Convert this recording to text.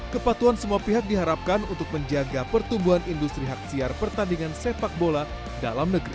kepatuan semua pihak diharapkan untuk menjaga pertumbuhan industri hak siar pertandingan sepak bola dalam negeri